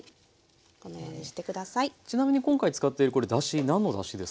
ちなみに今回使っているだし何のだしですか？